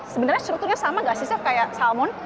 sebenarnya strukturnya sama gak sih chef kayak salmon